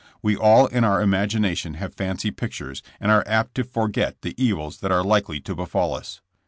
We all in our imagination have fancy pictures, and are apt to for get the evils that are likely to befall us.